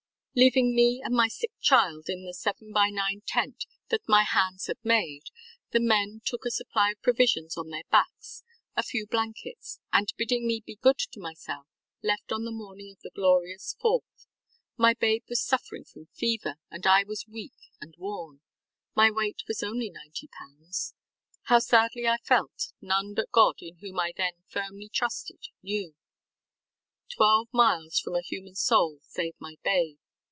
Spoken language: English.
ŌĆ£Leaving me and my sick child in the 7 by 9 tent, that my hands had made, the men took a supply of provisions on their backs, a few blankets, and bidding me be good to myself, left on the morning of the glorious Fourth. My babe was suffering from fever and I was weak and worn. My weight was only ninety pounds. How sadly I felt, none but God, in whom I then firmly trusted, knew. Twelve miles from a human soul save my babe.